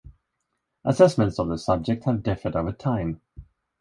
Assessments of the subject have differed over time.